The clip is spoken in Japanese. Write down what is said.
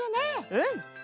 うん！